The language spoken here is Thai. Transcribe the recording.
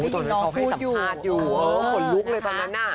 ตอนนั้นเขาให้สัมภาษณ์อยู่เออขนลุกเลยตอนนั้นน่ะ